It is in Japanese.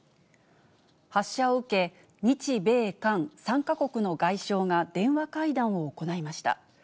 発射を受け、日米韓３か国の外相が電話会談を行いました。